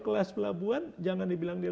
kelas pelabuhan jangan dibilang dia